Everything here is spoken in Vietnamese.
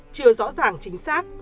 chưa rõ ràng chính xác